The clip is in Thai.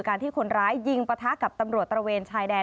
ที่คนร้ายยิงปะทะกับตำรวจตระเวนชายแดน